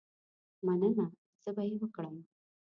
مننه، زه به یې وکړم.